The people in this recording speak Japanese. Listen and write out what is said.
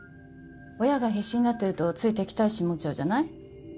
親が必死になってるとつい敵対心持っちゃうじゃない。